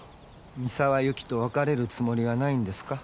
三沢友紀と別れるつもりはないんですか？